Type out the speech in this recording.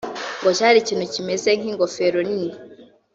ngo cyari ikintu cyimeze nk’ingofero nini